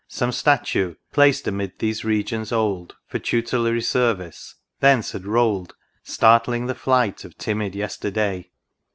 Some Statue, placed amid these regions old For tutelary service, thence had rolled. Startling the flight of timid Yesterday